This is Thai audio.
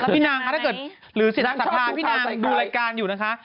พี่นางคะถ้าเกิดหรือสินางศรัทธาพี่นางดูรายการอยู่นะคะ